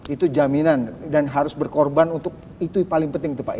itu jaminan dan harus berkorban untuk itu yang paling penting itu pak